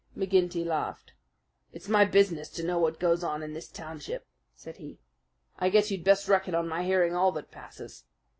McGinty laughed. "It's my business to know what goes on in this township," said he. "I guess you'd best reckon on my hearing all that passes.